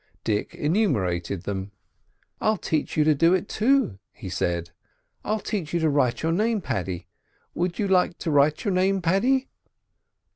Dick enumerated them. "I'll teach you to do it, too," he said. "I'll teach you to write your name, Paddy—would you like to write your name, Paddy?"